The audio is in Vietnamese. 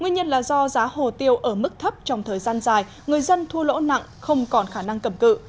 nguyên nhân là do giá hồ tiêu ở mức thấp trong thời gian dài người dân thua lỗ nặng không còn khả năng cầm cự